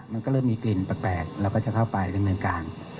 มันก็เริ่มมีกลิ่นแปลกเราก็จะเข้าไปดำเนินการ